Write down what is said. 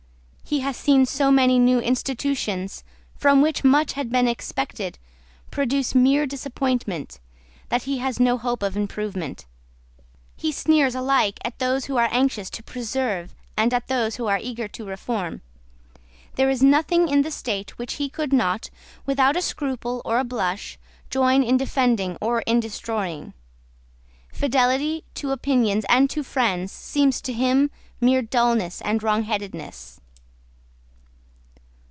He has seen so many new institutions, from which much had been expected, produce mere disappointment, that he has no hope of improvement. He sneers alike at those who are anxious to preserve and at those who are eager to reform. There is nothing in the state which he could not, without a scruple or a blush, join in defending or in destroying. Fidelity to opinions and to friends seems to him mere dulness and wrongheadedness.